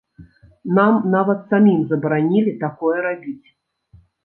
Нам нават самім забаранілі такое рабіць!